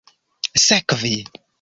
sekvi